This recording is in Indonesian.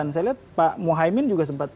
dan saya lihat pak muhaymin juga sempat